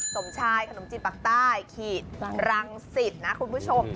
สมชายขนมจีบปากใต้ขีดรังสิตนะคุณผู้ชม